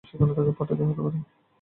তাকে সেখানে পাঠাতেই হবে।